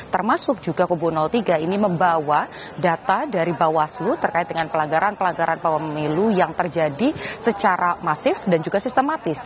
termasuk juga kubu tiga ini membawa data dari bawaslu terkait dengan pelanggaran pelanggaran pemilu yang terjadi secara masif dan juga sistematis